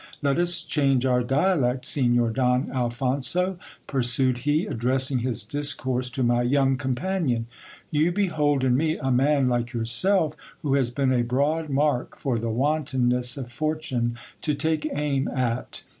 Let us change our dialect, Signor Don Alphonso ! pursued he, address \ ing his discourse to my young companion : you behold in me a man, like your ] self, who has been a broad mark for the wantonness of fortune to take aim at.